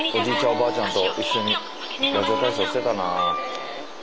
おばあちゃんと一緒にラジオ体操してたな。